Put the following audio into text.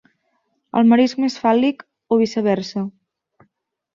El marisc més fàl·lic, o viceversa.